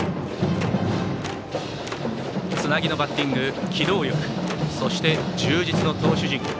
つなぎのバッティング機動力、そして充実の投手陣。